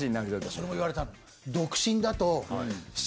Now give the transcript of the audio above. それも言われたの。